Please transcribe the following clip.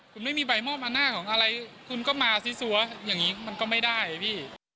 คุณไม่มีใบมอบอำนาจของอะไรคุณก็มาซัวอย่างนี้มันก็ไม่ได้พี่